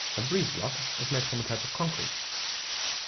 A breeze block is made from a type of concrete.